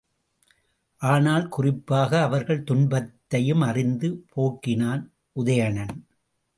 ஆனால் குறிப்பாக அவர்கள் துன்பத்தையும் அறிந்து போக்கினான் உதயணன்.